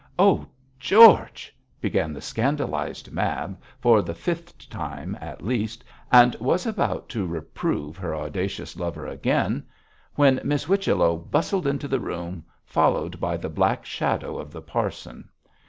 'Oh, George!' began the scandalised Mab, for the fifth time at least, and was about to reprove her audacious lover again, when Miss Whichello bustled into the room, followed by the black shadow of the parson.